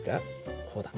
こうだ。